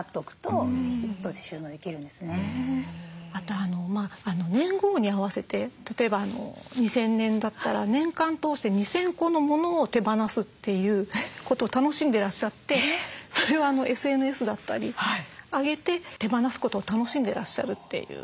あと年号に合わせて例えば２０００年だったら年間通して２，０００個の物を手放すということを楽しんでいらっしゃってそれをＳＮＳだったり上げて手放すことを楽しんでいらっしゃるっていう。